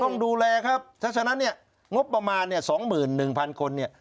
ต้องดูแลครับฉะนั้นเนี่ยงบประมาณเนี่ยสองหมื่นหนึ่งพันคนเนี่ย